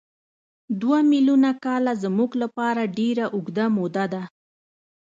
دوه میلیونه کاله زموږ لپاره ډېره اوږده موده ده.